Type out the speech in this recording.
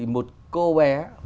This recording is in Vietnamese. một cô bé